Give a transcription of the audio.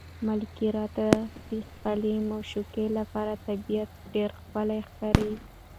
ملکیار ته د خپلې معشوقې لپاره طبیعت ډېر ښکلی ښکاري.